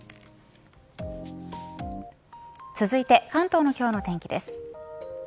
続いて関東の今日の天気です。